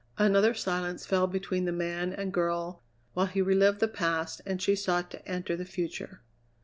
Another silence fell between the man and girl while he relived the past and she sought to enter the future.